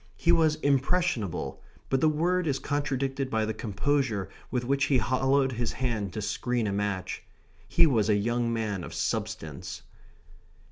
He was impressionable; but the word is contradicted by the composure with which he hollowed his hand to screen a match. He was a young man of substance.